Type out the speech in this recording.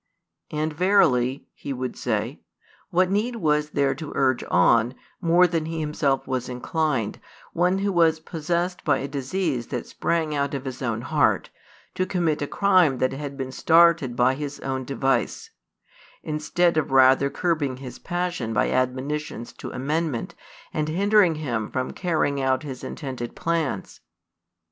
And verily," he would say, "what need was there to urge on, more than he himself was inclined, one who was possessed by a disease that sprang out of his own heart, to commit a crime that had been started by his own device; instead of rather curbing his passion by admonitions to amendment, and hindering him from carrying out his intended plans?"